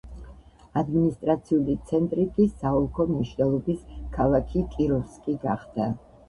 ადმინისტრაციული ცენტრი კი საოლქო მნიშვნელობის ქალაქი კიროვსკი გახდა.